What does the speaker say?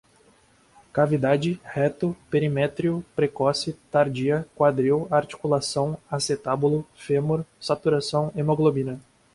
cavidade, reto, perimétrio, precoce, tardia, quadril, articulação, acetábulo, fêmur, saturação, hemoglobina